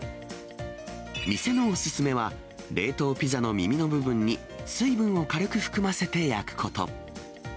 店のお勧めは、冷凍ピザの耳の部分に水分を軽く含ませて焼くこと。